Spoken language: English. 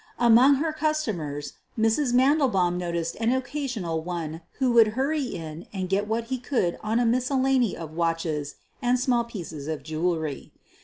Among her customers Mrs. Mandelbaum noticed an occasional one who would hurry in and get what he could on a miscellany of watches and small pieces of jewelry.